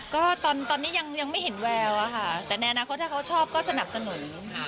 ก็ตอนนี้ยังไม่เห็นแววอะค่ะแต่ในอนาคตถ้าเขาชอบก็สนับสนุน